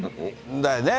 だよね。